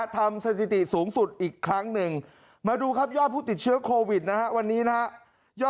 สถิติสูงสุดอีกครั้งหนึ่งมาดูครับยอดผู้ติดเชื้อโควิดนะฮะวันนี้นะฮะ